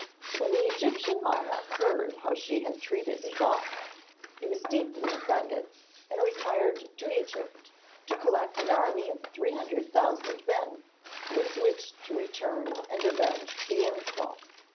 When the Egyptian monarch heard how she had treated his offering he was deeply offended, and retired to Egypt to collect an army of three hundred thousand men, with which to return and avenge the insult.